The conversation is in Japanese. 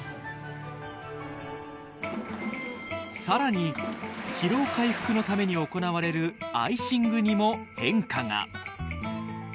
更に疲労回復のために行われるアイシングにも変化が！